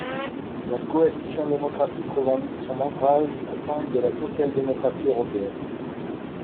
La Coalition démocratique revendique son ancrage au sein de la social-démocratie européenne.